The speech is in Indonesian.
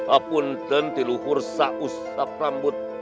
apunten tiluhur sa usap rambut